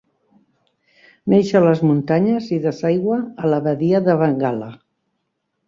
Neix a les muntanyes i desaigua a la badia de Bengala.